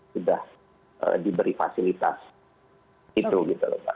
sudah diberi fasilitas itu gitu lho mbak